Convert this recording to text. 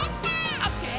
「オッケー！